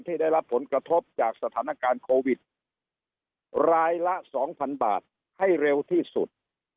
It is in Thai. ได้รับผลกระทบจากสถานการณ์โควิดรายละสองพันบาทให้เร็วที่สุด